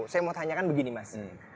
saya mau tanyakan begini mas